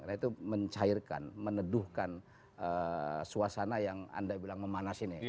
karena itu mencairkan meneduhkan suasana yang anda bilang memanas ini